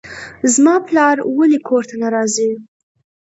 زما پلار ولې کور ته نه راځي.